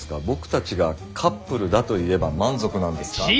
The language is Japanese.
僕たちがカップルだと言えば満足なんですか？